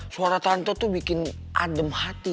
suara tante tuh bikin adem hati